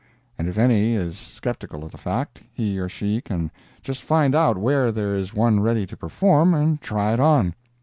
And if any is skeptical of the fact, he or she can just find out where there is one ready to perform, and try it on.